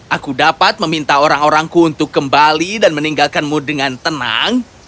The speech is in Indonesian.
aku dapat meminta orang orangku untuk kembali dan meninggalkanmu dengan tenang